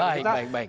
baik baik baik